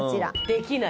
できない。